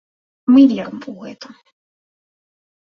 Мы верым у гэта.